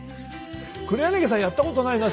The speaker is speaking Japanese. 黒柳さんやった事ないな